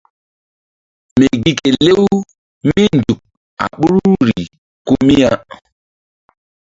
Mi gi ke lew mínzuk a ɓoruri ko mi ya.